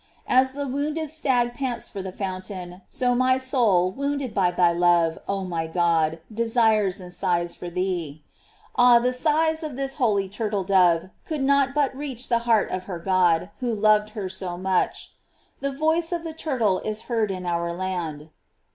"f As the wounded stag pants for the fountain, so my soul, wounded by thy love, oh my God, desires and sighs for thee. Ah, the sighs of this holy turtle dove could not but reach the heart of her God, who loved her so much: "The voice of the turtle is heard in our land."